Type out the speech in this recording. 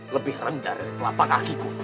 lebih rendah dari telapak kakiku